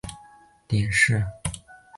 澳门官方使用的名称为亚婆井前地。